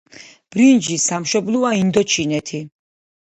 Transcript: ბრინჯის სამშობლოა ინდოჩინეთი.